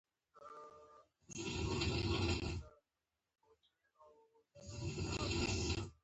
اړیکې «زما کور» سره او له ګاونډیانو بېلوالی بدل شو.